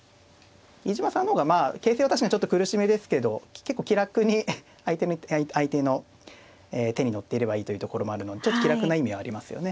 飯島さんの方が形勢は確かにちょっと苦しめですけど結構気楽に相手の手に乗っていればいいというところもあるのでちょっと気楽な意味はありますよね。